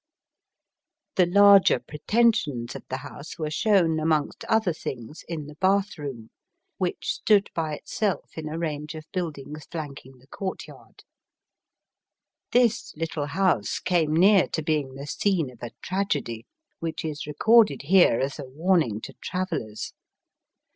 The larger pretensions of the house were shown, amongst other things, in the bath room, which stood by itself in a range of buildings flanking the courtyard. This little Digitized by VjOOQIC ACBOSS COUNTBY IN JINRIKISHAS. 253 house came near to being the scene of a tragedy, which is recorded here as a warning to travellers.